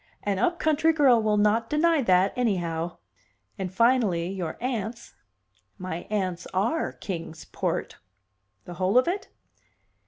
"An up country girl will not deny that, anyhow!" "And finally, your aunts " "My aunts are Kings Port." "The whole of it?"